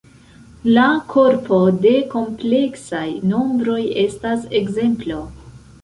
La korpo de kompleksaj nombroj estas ekzemplo.